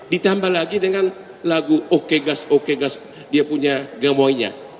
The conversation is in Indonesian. ditambah lagi dengan lagu oke gas oke dia punya gamoinya